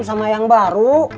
sama yang baru